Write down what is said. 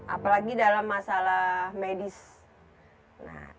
apalagi dalam masalah pendidikan